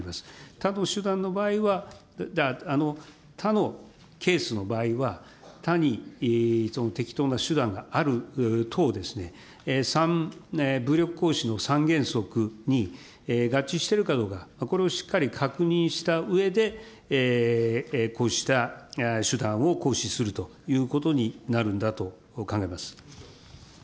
他の手段の場合は、他のケースの場合は、他にその適当な手段がある等ですね、武力行使の３原則に合致してるかどうか、これをしっかり確認したうえで、こうした手段を行使するということになるんだと考えます。